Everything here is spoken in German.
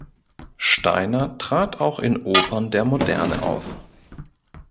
Steiner trat auch in Opern der Moderne auf.